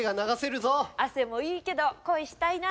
汗もいいけど恋したいな。